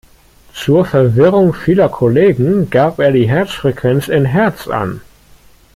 Zur Verwirrung vieler Kollegen, gab er die Herzfrequenz in Hertz an.